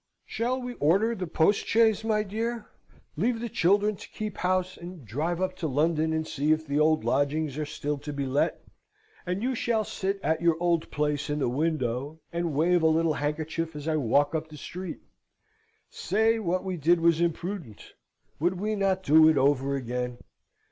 Shall we order the postchaise, my dear, leave the children to keep house; and drive up to London and see if the old lodgings are still to be let? And you shall sit at your old place in the window, and wave a little handkerchief as I walk up the street. Say what we did was imprudent. Would we not do it over again?